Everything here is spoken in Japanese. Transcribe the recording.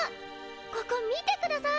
ここ見てください！